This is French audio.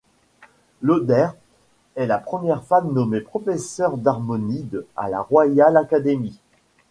Loder est la première femme nommée professeur d'harmonie à la Royal Academy.